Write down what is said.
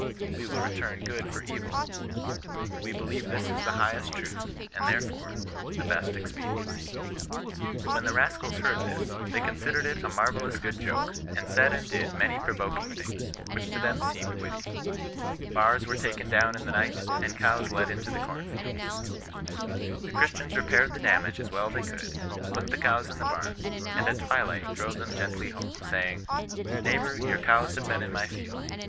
* 'We will return good for evil. We helieve this is the highest truth, and, there fore, the best expediency.' ^ When the rascals heard this, they considered it a maryellous good joke, and said and did many provoking things, which to them seemed witty. Bars were taken down in the night, and cows let into the corn fields. The Christians repaired the damage as well as they could, put the cows in the bam, and at twilight drove them gently home ; saying, * Neighbour, your cows have been in my field.